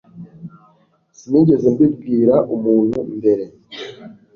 Sinigeze mbibwira umuntu mbere